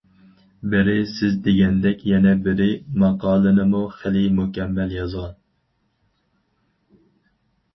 بىرى سىز دېگەندەك. يەنە بىرى، ماقالىنىمۇ خېلى مۇكەممەل يازغان.